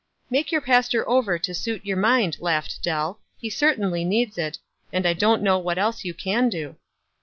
"Make your pastor over to suit your mind," laughed Dell. "He certainly needs it, and I don't know what else you can do."